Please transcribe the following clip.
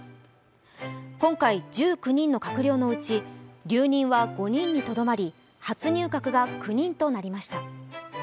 今回、１９人の閣僚のうち留任は９人にとどまり、初入閣が９人となりました。